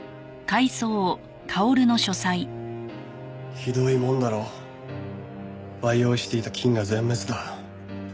ひどいもんだろ。培養していた菌が全滅だ。